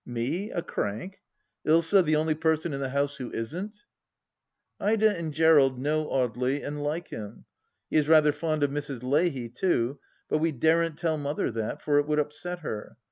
Me a crank I Ilsa the only person in the house who isn't 1 Ida and Gerald know Audely, and like him. He is rather fond of Mrs. Leahy, too, but we daren't tell Mother that, for it would upset her.